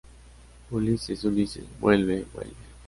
¡ Ulises! ¡ Ulises, vuelve! ¡ vuelve!